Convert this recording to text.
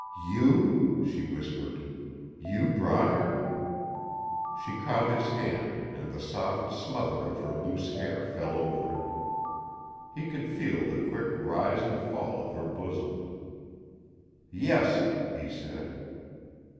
"You?" she whispered. "You brought her " She caught his hand, and the soft smother of her loose hair fell over it. He could feel the quick rise and fall of her bosom. "Yes," he said.